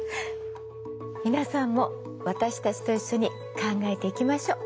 皆さんも私たちと一緒に考えていきましょ。